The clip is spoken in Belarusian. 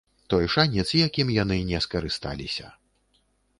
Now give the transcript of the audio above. Той шанец, якім яны не скарысталіся.